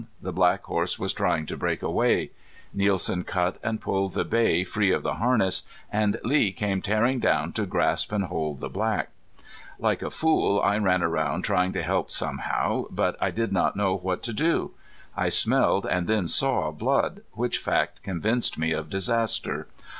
The black horse was trying to break away. Nielsen cut and pulled the bay free of the harness, and Lee came tearing down to grasp and hold the black. Like a fool I ran around trying to help somehow, but I did not know what to do. I smelled and then saw blood, which fact convinced me of disaster.